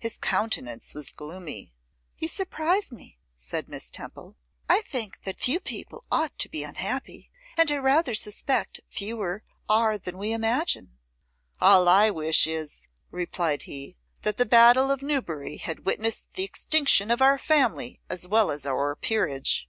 His countenance was gloomy. 'You surprise me,' said Miss Temple; 'I think that few people ought to be unhappy, and I rather suspect fewer are than we imagine.' 'All I wish is,' replied he, 'that the battle of Newbury had witnessed the extinction of our family as well as our peerage.